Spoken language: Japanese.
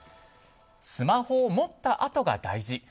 スマホを持ったあとが大事。